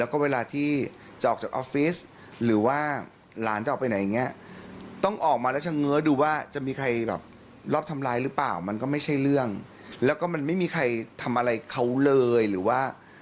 ขณะที่ลูกน้องของพี่โก้ที่บาดเจ็บนะคะ